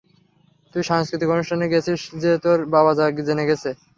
তুই সাংস্কৃতিক অনুষ্ঠানে গেছিস যে তোর বাবা জেনে গেছে।